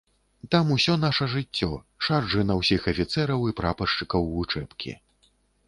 Там усё наша жыццё, шаржы на ўсіх афіцэраў і прапаршчыкаў вучэбкі.